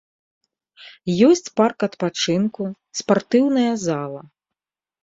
Ёсць парк адпачынку, спартыўная зала.